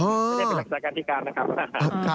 ไม่ได้รักษาการพิการนะครับ